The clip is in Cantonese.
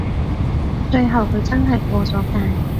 最後佢真係過咗界